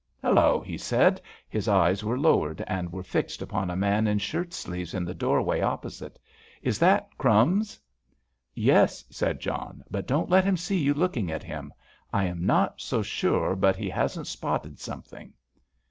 Hallo!" he said. His eyes were lowered and were fixed upon a man in shirt sleeves in the doorway opposite. "Is that 'Crumbs'?" "Yes," said John, "but don't let him see you looking at him. I am not so sure that he hasn't spotted something."